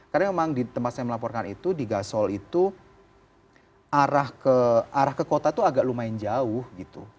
karena memang di tempat saya melaporkan itu di gasol itu arah ke kota itu agak lumayan jauh gitu